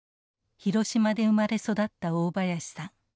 広島で生まれ育った大林さん。